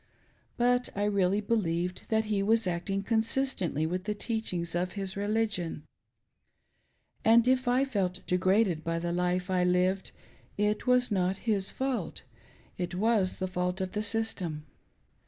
But I really believed that he was acting consistently with the teachings of his religion, and if I felt degraded by the life I lived, it was not his fault — it was the fault; of. the system.